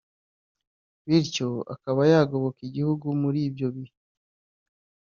bityo akaba yagoboka igihugu muri ibyo bihe